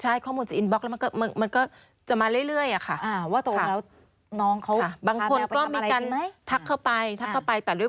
เขาคงจะช่วยกันดู